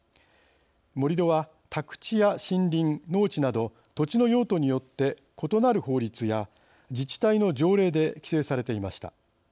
盛り土は宅地や森林農地など土地の用途によって異なる法律や自治体の条例で規制されていました。